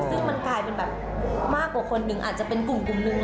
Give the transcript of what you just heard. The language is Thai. ซึ่งมันกลายเป็นแบบมากกว่าคนหนึ่งอาจจะเป็นกลุ่มหนึ่ง